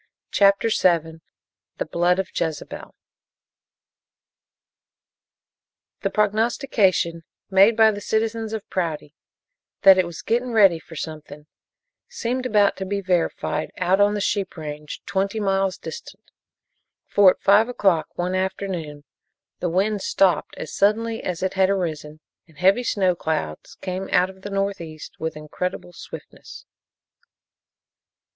CHAPTER VII THE BLOOD OF JEZEBEL The prognostication made by the citizens of Prouty that it was "gettin' ready for somethin'" seemed about to be verified out on the sheep range twenty miles distant, for at five o'clock one afternoon the wind stopped as suddenly as it had arisen and heavy snow clouds came out of the northeast with incredible swiftness.